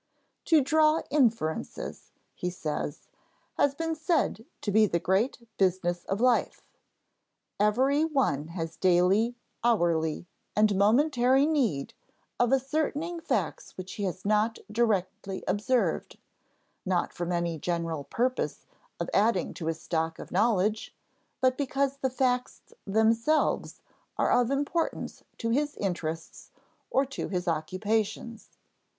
"To draw inferences," he says, "has been said to be the great business of life. Every one has daily, hourly, and momentary need of ascertaining facts which he has not directly observed: not from any general purpose of adding to his stock of knowledge, but because the facts themselves are of importance to his interests or to his occupations.